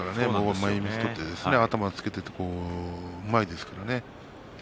前みつ取って頭をつけてうまいですからね。